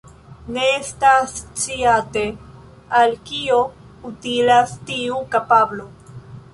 Ne estas sciate, al kio utilas tiu kapablo.